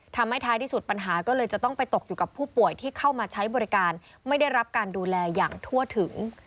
ท้ายที่สุดปัญหาก็เลยจะต้องไปตกอยู่กับผู้ป่วยที่เข้ามาใช้บริการไม่ได้รับการดูแลอย่างทั่วถึง